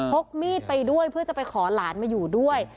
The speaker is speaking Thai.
กมีดไปด้วยเพื่อจะไปขอหลานมาอยู่ด้วย